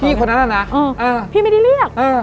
พี่คนนั้นอะนะเออพี่ไม่ได้เรียกเออ